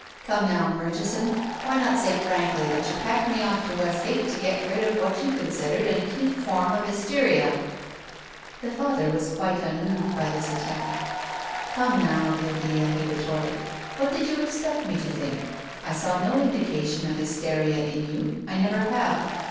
Come now, Murchi son, why not say frankly that you packed me off to Westgatc to get rid of what you considered an acute form of hysteria? " The Father was quite unmoved by this attack. " Come now, Guildea," he retorted, " what did you expect me to think? I saw no indication of hysteria in you. I never have.